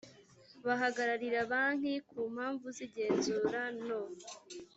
bahagararira banki ku mpamvu z igenzura no